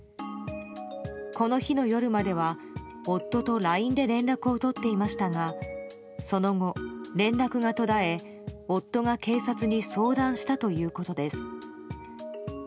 この日の夜までは夫とＬＩＮＥで連絡を取っていましたがその後、連絡が途絶え夫が警察に相談したということです。